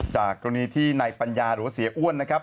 จากกรณีที่นายปัญญาหรือว่าเสียอ้วนนะครับ